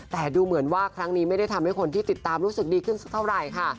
แต่ดูเหมือนว่าครั้งนี้ไม่ได้ทำให้คนที่ติดตามรู้สึกดีขึ้นสักเท่าไหร่ค่ะ